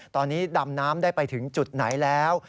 ตอนนี้ดำน้ำได้ไปถึงจุดไหนแล้ว